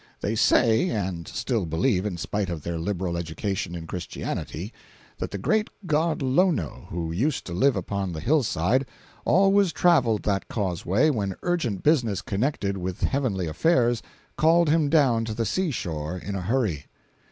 They say, (and still believe, in spite of their liberal education in Christianity), that the great god Lono, who used to live upon the hillside, always traveled that causeway when urgent business connected with heavenly affairs called him down to the seashore in a hurry.